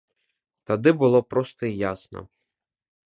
Тады было проста і ясна.